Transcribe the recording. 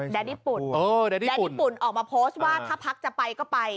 แดดดี้ปุ่นออกมาโพสต์ว่าถ้าพักจะไปก็ไป